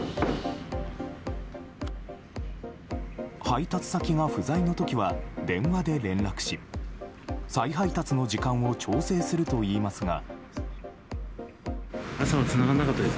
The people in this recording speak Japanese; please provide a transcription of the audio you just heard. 配達先が不在の時は電話で連絡し再配達の時間を調整するといいますが。